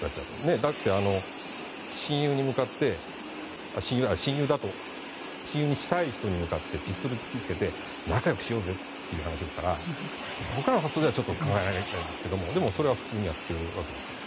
だって親友にしたい人に向かってピストルを突き付けて仲良くしようぜって話ですから僕らの発想ではちょっと考えられないんですけどでも、それを普通にやっているわけですね。